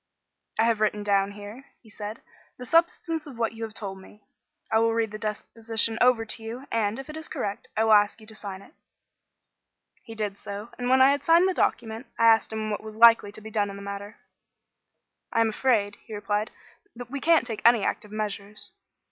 "I have written down here," he said, "the substance of what you have told me. I will read the deposition over to you, and, if it is correct, I will ask you to sign it." He did so, and, when I had signed the document, I asked him what was likely to be done in the matter. "I am afraid," he replied, "that we can't take any active measures.